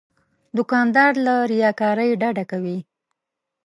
دوکاندار له ریاکارۍ ډډه کوي.